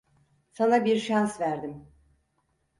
Sana bir şans verdim.